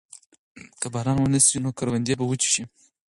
که باران ونه شي نو کروندې به وچې شي.